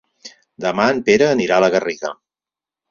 Demà en Pere anirà a la Garriga.